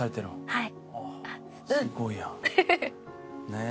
はい。